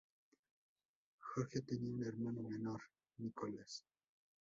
Jorge tenía un hermano menor, Nicolás.